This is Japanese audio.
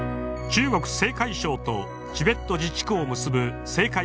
中国・青海省とチベット自治区を結ぶ青海